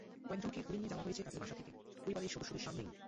কয়েকজনকে ধরে নিয়ে যাওয়া হয়েছে তাঁদের বাসা থেকে, পরিবারের সদস্যদের সামনেই।